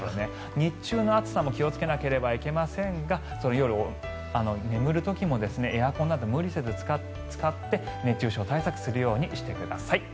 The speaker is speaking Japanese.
日中の暑さも気をつけないといけませんが夜寝る時もエアコンなど無理せず使って熱中症対策するようにしてください。